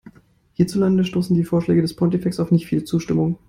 Hierzulande stoßen die Vorschläge des Pontifex auf nicht viel Zustimmung.